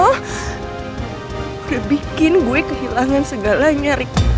udah bikin gue kehilangan segalanya